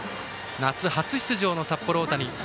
夏初出場の札幌大谷。